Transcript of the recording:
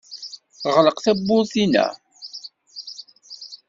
Ɣleq tawwurt-inna.